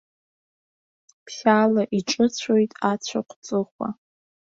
Ԥшьаала иҿыцәоит ацәаҟә ҵыхәа.